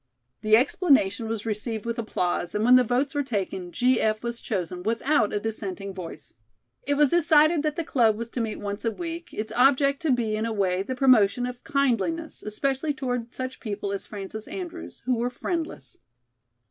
The explanation was received with applause, and when the votes were taken, "G.F." was chosen without a dissenting voice. It was decided that the club was to meet once a week, it's object, to be, in a way, the promotion of kindliness, especially toward such people as Frances Andrews, who were friendless.